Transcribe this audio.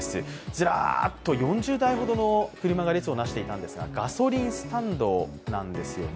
ずらーっと４０台ほどの車が列をなしていたんですがガソリンスタンドなんですね